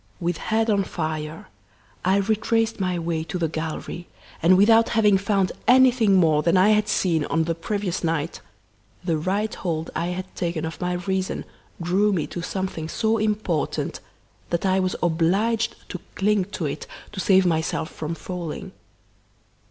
With head on fire, I retraced my way to the gallery, and without having found anything more than I had seen on the previous night, the right hold I had taken of my reason drew me to something so important that I was obliged to cling to it to save myself from falling.